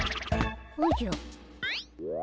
おじゃ。